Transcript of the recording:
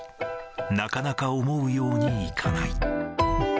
なかなか思うようにいかない。